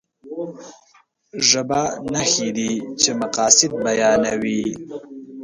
ژبه نښې دي چې مقاصد بيانوي.